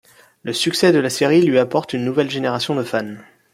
Le succès de la série lui apporte une nouvelle génération de fans.